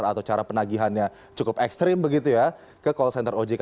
atau cara penagihannya cukup ekstrim begitu ya ke call center ojk